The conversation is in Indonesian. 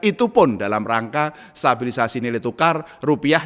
itu pun dalam rangka stabilisasi nilai tukar rupiah